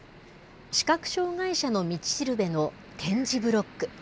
視覚障害者の道しるべの点字ブロック。